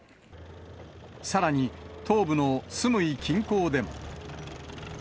さらに、東部のスムイ近郊でも。